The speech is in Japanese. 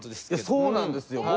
そうなんですよ。